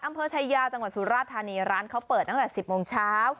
อำเภอชายาจังหวัดสุราธานีร้านเขาเปิดตั้งแต่๑๐โมงเช้า